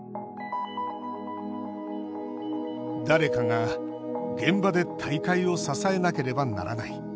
「誰かが現場で大会を支えなければならない」。